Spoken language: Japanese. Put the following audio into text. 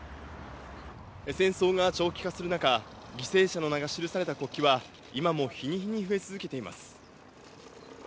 戦争が長期化する中、犠牲者の名が記された国旗は、今も日に日に増え続けています。